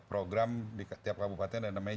program di tiap kabupaten dan namanya